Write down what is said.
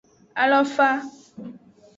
Alofa.